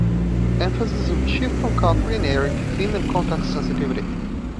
Emphasis would shift from country and area to theme and context-sensitivity.